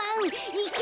いけ！